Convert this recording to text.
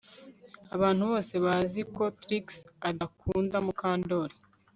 Abantu bose bazi ko Trix adakunda Mukandoli